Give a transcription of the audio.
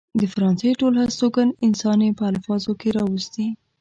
د فرانسې ټول هستوګن انسان يې په الفاظو کې راوستي.